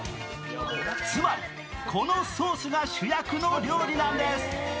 つまり、このソースが主役の料理なんです。